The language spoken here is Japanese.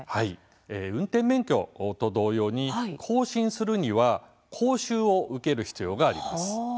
運転免許と同様に更新するには講習を受ける必要があります。